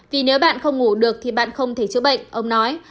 vì nếu bạn không ngủ được thì bạn không thể chữa bệnh ông nói